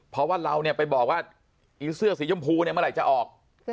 เพราะว่าเราไปบอกว่าอีเสื้อสีย้ำพูนี้เมื่อไหร่จะออก